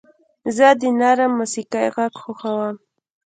زه د نرم موسیقۍ غږ خوښوم.